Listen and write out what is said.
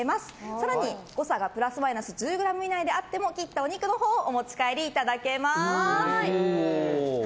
更に誤差がプラスマイナス１０ｇ以内でも切ったお肉のほうをお持ち帰りいただけます。